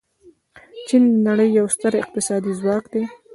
چین د نړۍ یو ستر اقتصادي ځواک دی.